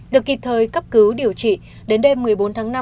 được kịp thời cấp cứu điều trị đến đêm một mươi bốn tháng năm